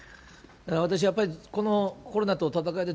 私、やっぱりこのコロナとの闘いで、